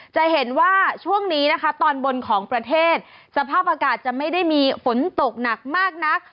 จะเห็นว่าช่วงนี้นะคะตอนบนของประเทศสภาพอากาศจะไม่ได้มีฝนตกหนักมากนัก